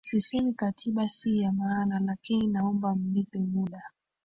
Sisemi katiba si ya maana lakini naomba mnipe muda